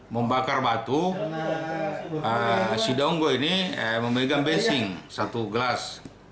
membakar batu si donggo ini memegang bensin satu gelas